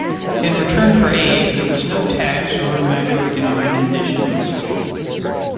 In return for aid, there was no tax or macroeconomic conditions.